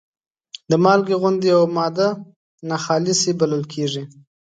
د مالګې غوندې یوه ماده ناخالصې بلل کیږي.